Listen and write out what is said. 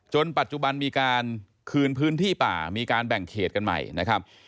ปัจจุบันมีการคืนพื้นที่ป่ามีการแบ่งเขตกันใหม่นะครับ